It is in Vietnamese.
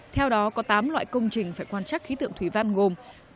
theo đó có tám loại công trình phải quan trắc khí tượng thủy văn gồm